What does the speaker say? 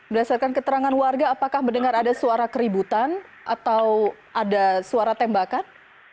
berdasarkan keterangan warga apakah mendengar ada suara keributan atau ada suara tembakan